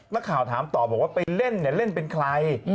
นักข่าวถามต่อบอกว่าไปเล่นเนี่ยเล่นเป็นใคร